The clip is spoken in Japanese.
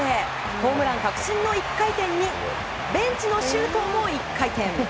ホームラン確信の１回転にベンチの周東も１回転。